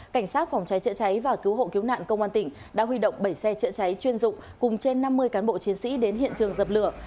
cảnh sát phòng cháy chữa cháy và cứu hộ cứu nạn công an tỉnh đã huy động bảy xe chữa cháy chuyên dụng cùng trên năm mươi cán bộ chiến sĩ đến hiện trường dập lửa